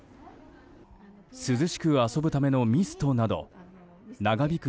涼しく遊ぶためのミストなど長引く